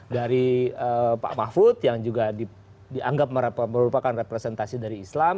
dari pak mahfud yang juga dianggap merupakan representasi dari islam